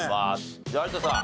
じゃあ有田さん